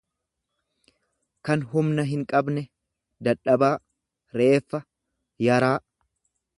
kan humna hinqabne, dadhabaa, reeffa, yaraa.